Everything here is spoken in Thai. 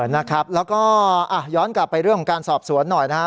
นะครับแล้วก็ย้อนกลับไปเรื่องของการสอบสวนหน่อยนะฮะ